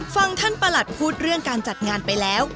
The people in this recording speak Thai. ฟังท่านประหลัดพูดเรื่องการจัดงานไปแล้ว